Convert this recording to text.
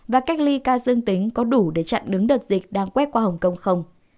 và cách ly ca dương tính có đủ để chặn đứng đợt dịch đang quét qua hồng kông không